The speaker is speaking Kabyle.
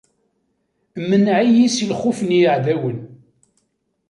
Mneɛ-iyi si lxuf n yiɛdawen!